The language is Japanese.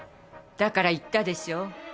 だから言ったでしょ。